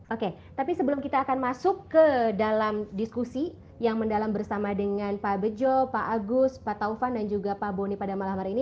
oke tapi sebelum kita akan masuk ke dalam diskusi yang mendalam bersama dengan pak bejo pak agus pak taufan dan juga pak boni pada malam hari ini